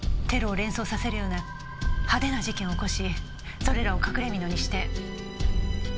テロを連想させるような派手な事件を起こしそれらを隠れ蓑にして。